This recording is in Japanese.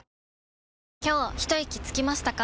今日ひといきつきましたか？